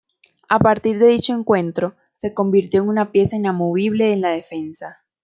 A partir de dicho encuentro, se convirtió en una pieza inamovible en la defensa.